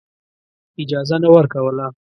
اجازه نه ورکوله.